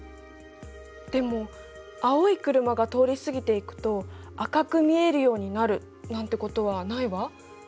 でも「青い車が通り過ぎていくと赤く見えるようになる」なんてことはないわ。